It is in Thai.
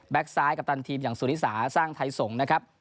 ซ้ายกัปตันทีมอย่างสุริสาสร้างไทยสงฆ์นะครับ